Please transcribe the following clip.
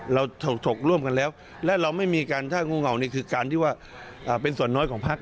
เราถกร่วมกันแล้วและเราไม่มีการถ้างูเหงานี่คือการที่ว่าเป็นส่วนน้อยของพัก